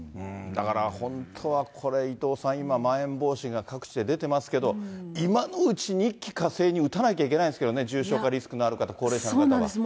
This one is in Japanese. だから本当は、これ、伊藤さん、まん延防止が各地で出てますけど、今のうちに、一気かせいに打たなきゃいけないんですけどね、重症化リスクのある方、高齢者の方は。